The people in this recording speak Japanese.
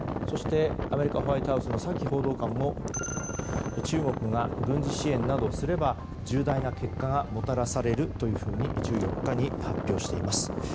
そして、アメリカホワイトハウスのサキ報道官も中国が軍事支援などをすれば重大な結果がもたらされると１４日、発表しています。